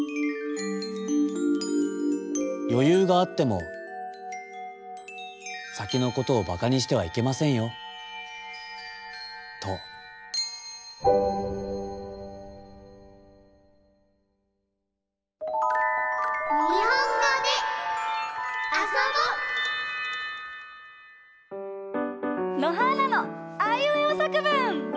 「よゆうがあってもさきのことをばかにしてはいけませんよ」と。のはーなの「あいうえおさくぶん」！